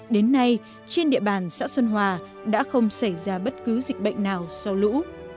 đến nay trên địa bàn xã xuân hòa đã không xảy ra bất cứ dịch bệnh nào sau lũ